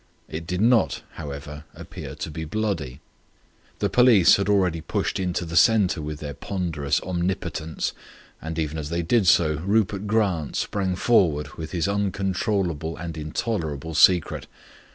It did not, however, appear to be bloody. The police had already pushed into the centre with their ponderous omnipotence, and even as they did so, Rupert Grant sprang forward with his incontrollable and intolerable secret.